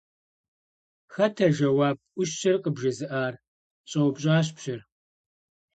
- Хэт а жэуап Ӏущыр къыбжезыӀар? - щӀэупщӀащ пщыр.